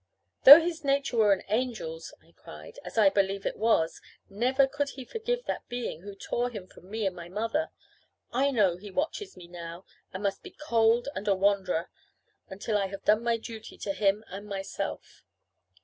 "Though his nature were an angel's," I cried, "as I believe it was, never could he forgive that being who tore him from me and my mother. I know that he watches me now, and must be cold and a wanderer, until I have done my duty to him and myself."